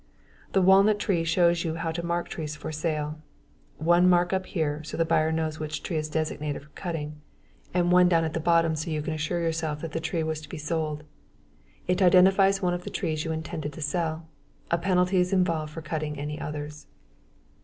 This walnut tree shows you how to mark trees for sale. One mark up here so the buyer knows which tree is designated for cutting, and one down at the bottom so you can assure yourself that that tree was to be sold. It identifies one of the trees you intended to sell; a penalty is involved for cutting any others.